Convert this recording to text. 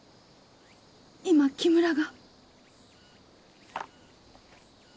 今木村が。